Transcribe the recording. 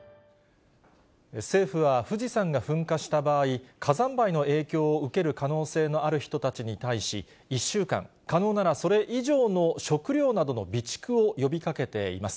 政府は、富士山が噴火した場合、火山灰の影響を受ける可能性のある人たちに対し、１週間、可能ならそれ以上の食料などの備蓄を呼びかけています。